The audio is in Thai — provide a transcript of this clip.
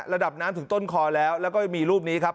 ระดับน้ำถึงต้นคอแล้วแล้วก็มีรูปนี้ครับ